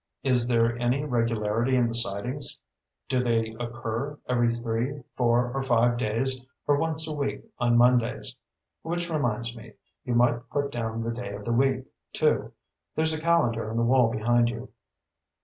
"Is there any regularity in the sightings? Do they occur every three, four, or five days, or once a week on Mondays? Which reminds me. You might put down the day of the week, too. There's a calendar on the wall behind you."